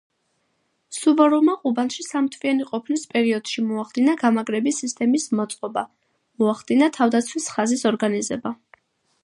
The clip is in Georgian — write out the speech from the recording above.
სუვოროვმა ყუბანში სამთვიანი ყოფნის პერიოდში მოახდინა გამაგრების სისტემის მოწყობა, მოახდინა თავდაცვის ხაზის ორგანიზება.